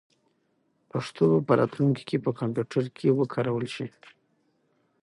پښتو به په راتلونکي کې په کمپیوټر کې وکارول شي.